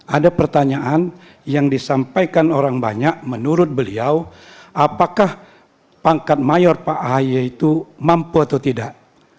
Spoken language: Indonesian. ada pertanyaan yang disampaikan orang banyak menurut beliau apakah pangkat mayor pak ahaye itu mampu atau tidak